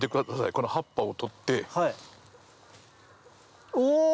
この葉っぱを取って。